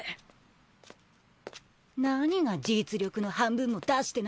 何が実力の半分も出してないだ。